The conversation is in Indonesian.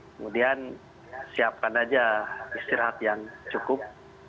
kemudian siapkan aja istirahat yang cukup